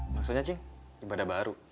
maksudnya cing ibadah baru